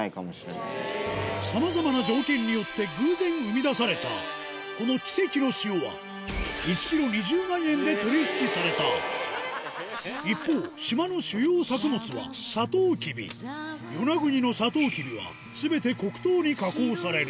さまざまな条件によって偶然生み出されたこの奇跡の塩は１ｋｇ２０万円で取引された一方与那国のサトウキビは全て黒糖に加工される